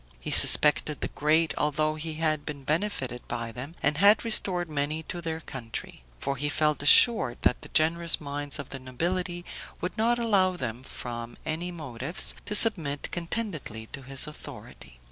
He suspected the great, although he had been benefited by them, and had restored many to their country; for he felt assured that the generous minds of the nobility would not allow them, from any motives, to submit contentedly to his authority.